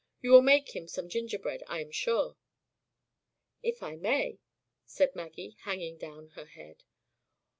You will make him some gingerbread, I am sure." "If I may," said Maggie, hanging down her head.